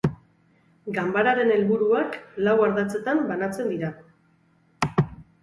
Ganbararen helburuak lau ardatzetan banatzen dira.